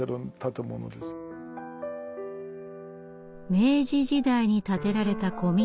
明治時代に建てられた古民家。